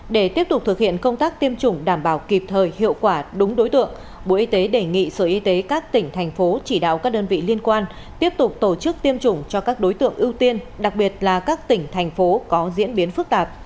để tiếp tục thực hiện công tác tiêm chủng đảm bảo kịp thời hiệu quả đúng đối tượng bộ y tế đề nghị sở y tế các tỉnh thành phố chỉ đạo các đơn vị liên quan tiếp tục tổ chức tiêm chủng cho các đối tượng ưu tiên đặc biệt là các tỉnh thành phố có diễn biến phức tạp